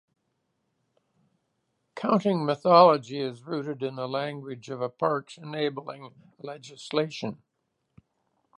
Counting methodology is rooted in the language of a park's enabling legislation.